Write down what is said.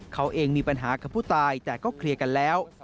เขาเองมีปัญหากับผู้ตายแต่ก็เคลียร์กันแล้ว